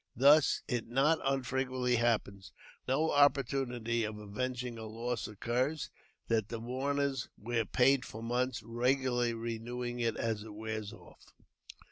Thus it not unfrequently happens, when no opportunity of avenging a loss occurs, that the mourners wear paint for months, regularly renewing it as it wears off.